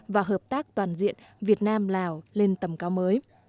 và hợp tác toàn diện việt nam lào lên tầm cao mới